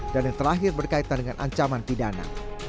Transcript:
dan yang terakhir berkaitan dengan ancaman pidana